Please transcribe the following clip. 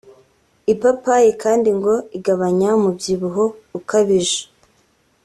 ipapayi kandi ngo igabanya umubyibuho ukabije